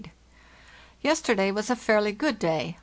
Yes terday was a fairly good day.